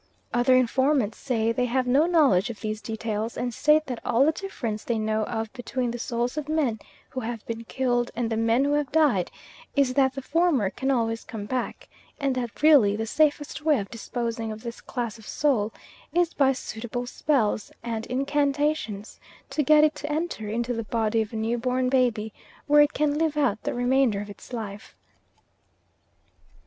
Other informants say they have no knowledge of these details, and state that all the difference they know of between the souls of men who have been killed and the men who have died, is that the former can always come back, and that really the safest way of disposing of this class of soul is, by suitable spells and incantations, to get it to enter into the body of a new born baby, where it can live out the remainder of its life.